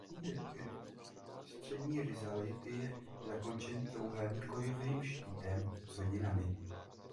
Střední rizalit je zakončen trojúhelníkovým štítem s hodinami.